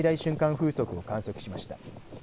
風速を観測しました。